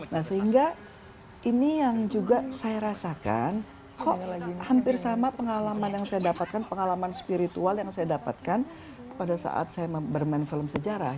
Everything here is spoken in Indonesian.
nah sehingga ini yang juga saya rasakan hampir sama pengalaman yang saya dapatkan pengalaman spiritual yang saya dapatkan pada saat saya bermain film sejarah